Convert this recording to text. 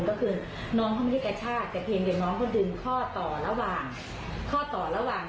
ก็คือน้องเขาไม่ได้กระชากแต่เพียงเดี๋ยวน้องเขาดึงข้อต่อระหว่างข้อต่อระหว่าง